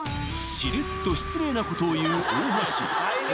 しれっと失礼なことを言う大橋